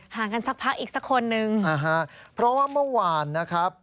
ห่างกันสักพักอีกสักคนนึงนะฮะเพราะว่าเมื่อวานนะครับ